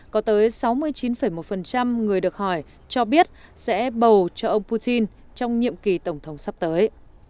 có tới sáu mươi chín một người được hỏi cho biết sẽ bầu cho ông putin trong nhiệm kỳ tổng thống sắp tới